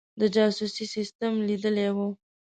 د جاسوسي سسټم لیدلی وو.